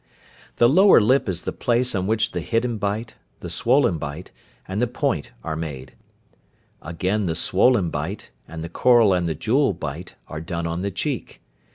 The lower lip is the place on which the "hidden bite," the "swollen bite," and the "point" are made; again the "swollen bite," and the "coral and the jewel" bite are done on the cheek.